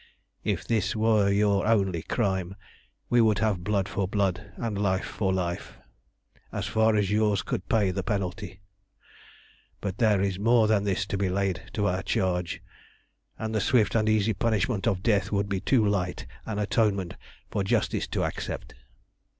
"If this were your only crime we would have blood for blood, and life for life, as far as yours could pay the penalty. But there is more than this to be laid to our charge, and the swift and easy punishment of death would be too light an atonement for Justice to accept.